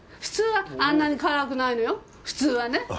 普通はあんなに辛くないのよ普通はね！